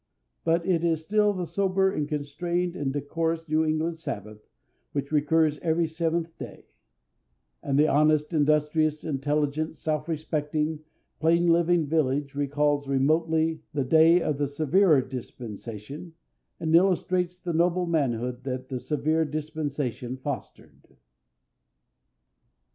But it is still the sober and constrained and decorous New England Sabbath which recurs every seventh day; and the honest, industrious, intelligent, self respecting, plain living village recalls remotely the day of the severer dispensation, and illustrates the noble manhood that the severe dispensation fostered.